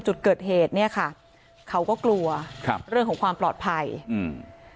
จุดเกิดเหตุเนี้ยค่ะเขาก็กลัวครับเรื่องของความปลอดภัยอืม